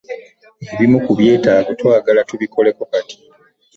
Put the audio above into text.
Ebimu ku byetaago twagala tubikoleko kati.